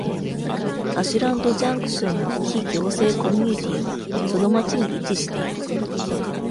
アシュランドジャンクションの非行政コミュニティはその町に位置している。